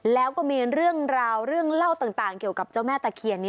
แล้วก็มีเรื่องราวเรื่องเล่าต่างเกี่ยวกับเจ้าแม่ตะเคียนนี้